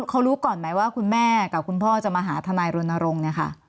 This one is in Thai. เขารู้ก่อนไหมว่าคุณแม่กับคุณพ่อจะมาหาทนายรณรงค์เนี่ยค่ะ